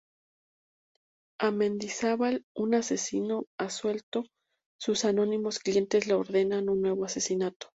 A Mendizábal, un asesino a sueldo, sus anónimos clientes le ordenan un nuevo asesinato.